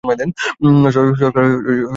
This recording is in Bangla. সরকারের দুটি শাখা রয়েছে।